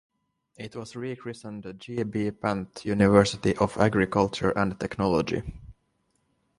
It was rechristened G. B. Pant University of Agriculture and Technology.